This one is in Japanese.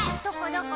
どこ？